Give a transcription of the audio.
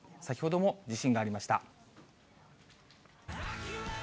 先ほども地震がありました。